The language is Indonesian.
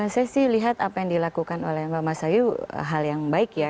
saya sih lihat apa yang dilakukan oleh mbak mas ayu hal yang baik ya